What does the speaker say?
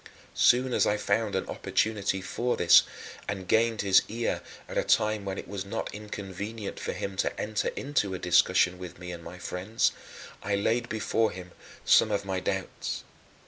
As soon as I found an opportunity for this, and gained his ear at a time when it was not inconvenient for him to enter into a discussion with me and my friends, I laid before him some of my doubts.